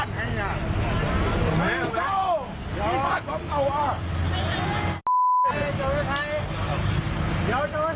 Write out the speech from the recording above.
เฮ้ยรถ